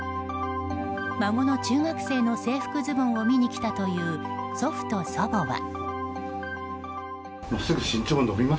孫の中学生の制服ズボンを見に来たという祖父と祖母は。